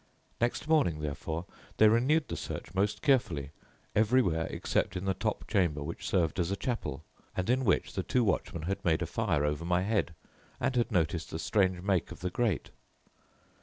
"Next morning, therefore, they renewed the search most carefully, everywhere except in the top chamber which served as a chapel, and in which the two watchmen had made a fire over my head and had noticed the strange make of the grate.